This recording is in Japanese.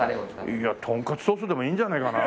いやトンカツソースでもいいんじゃないかな。